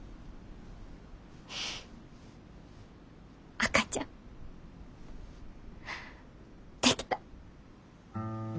赤ちゃんできた。